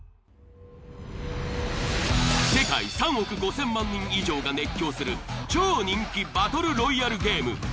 世界３億５，０００万人以上が熱狂する超人気バトルロイヤルゲーム。